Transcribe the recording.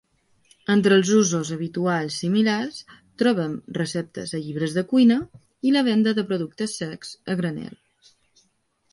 Entre els usos habituals similars trobem receptes a llibres de cuina i la venda de productes secs a granel.